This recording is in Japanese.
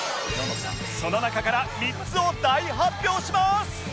その中から３つを大発表します！